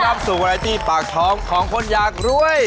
กลับสู่การะรายที่ปากท้องของคนอยากรวย